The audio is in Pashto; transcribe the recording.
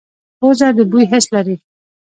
پوزه د بوی حس لري